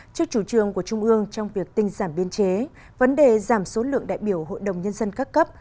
trước chủ trương của trung ương trong việc tinh giảm biên chế vấn đề giảm số lượng đại biểu hội đồng nhân dân các cấp